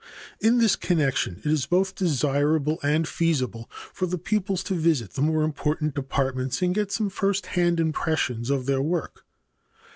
In this connection it is both desirable and feasible for the pupils to visit the more important departments and get some first hand impressions of their work.